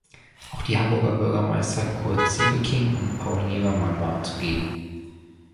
Auch die Hamburger Bürgermeister Kurt Sieveking und Paul Nevermann waren zugegen.